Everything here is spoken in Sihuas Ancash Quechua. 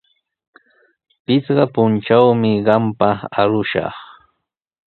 Pichqa puntrawmi qampaq arushaq.